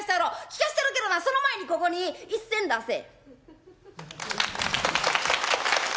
聞かしたるけどなその前にここに１銭出せ」。